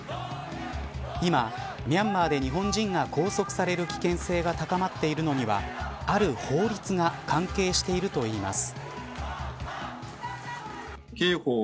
今ミャンマーで日本人が拘束される危険性が高まっているのにはある法律が関係しているといいます。